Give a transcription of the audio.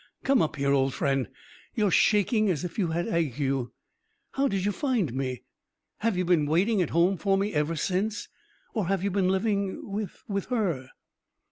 Come up here, old friend! You're shaking as if you had ague. How did you find me? Have you been waiting at home for me ever since? Or have you been living with with her?"